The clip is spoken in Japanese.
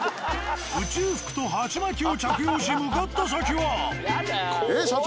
宇宙服と鉢巻きを着用しええっ社長